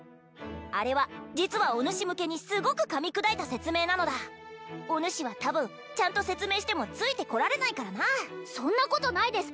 あれは実はおぬし向けにすごく噛み砕いた説明なのだおぬしは多分ちゃんと説明してもついてこられないからなそんなことないです